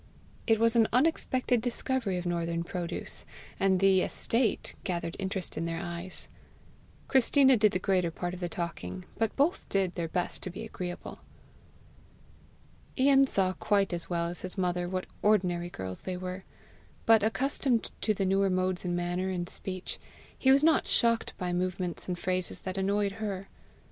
It was an unexpected discovery of northern produce, and "the estate" gathered interest in their eyes. Christina did the greater part of the talking, but both did their best to be agreeable. Ian saw quite as well as his mother what ordinary girls they were, but, accustomed to the newer modes in manner and speech, he was not shocked by movements and phrases that annoyed her.